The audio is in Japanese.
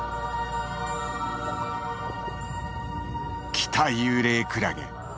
キタユウレイクラゲ。